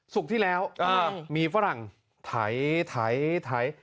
สุกที่แล้วมีฝรั่งไถไถไถ